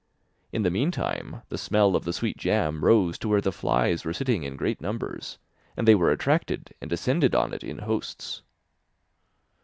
In the meantime the smell of the sweet jam rose to where the flies were sitting in great numbers, and they were attracted and descended on it in hosts.